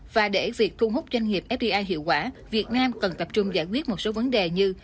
và để việc thu hút doanh nghiệp fdi hiệu quả việt nam cần tập trung giải quyết một số vấn đề như